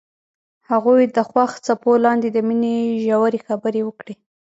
هغوی د خوښ څپو لاندې د مینې ژورې خبرې وکړې.